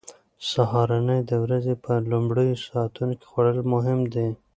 سهارنۍ د ورځې په لومړیو ساعتونو کې خوړل مهم دي.